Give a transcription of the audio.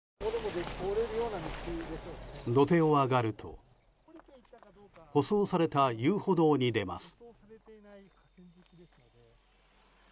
土手を上がると舗装された遊歩道に出ます。